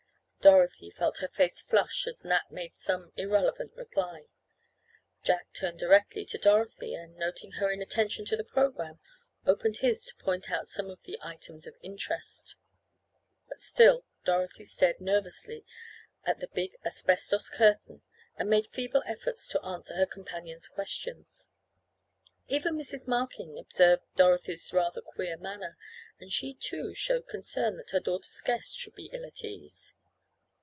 Dorothy felt her face flush as Nat made some irrelevant reply. Jack turned directly to Dorothy and, noting her inattention to the programme opened his to point out some of the items of interest. But still Dorothy stared nervously at the big asbestos curtain and made feeble efforts to answer her companion's questions. Even Mrs. Markin observed Dorothy's rather queer manner, and she, too, showed concern that her daughter's guest should be ill at ease.